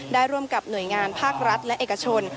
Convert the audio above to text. ร่วมกับหน่วยงานภาครัฐและเอกชน